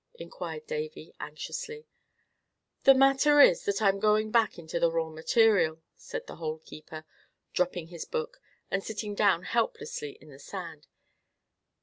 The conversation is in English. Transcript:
inquired Davy, anxiously. "The matter is that I'm going back into the raw material," said the Hole keeper, dropping his book, and sitting down helplessly in the sand.